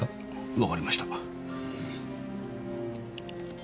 わかりました。